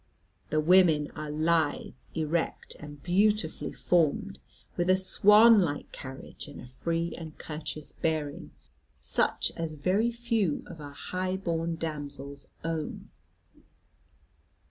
The women are lithe, erect, and beautifully formed, with a swan like carriage, and a free and courteous bearing, such as very few of our high born damsels own.